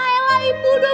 ya elah ibu